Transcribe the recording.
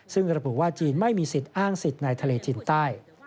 ซึ่งกระปุว่าจีนไม่มีศิษย์อ้างศิษย์ในทะเลจีนใต้